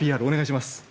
お願いします。